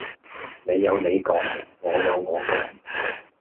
你有你講，我有我講